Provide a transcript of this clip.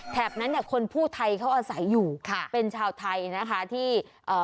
นั้นเนี่ยคนผู้ไทยเขาอาศัยอยู่ค่ะเป็นชาวไทยนะคะที่เอ่อ